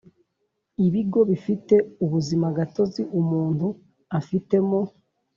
ibigo bifte ubuzimagatozi umuntu afitemo